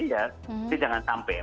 jadi jangan sampai terjadi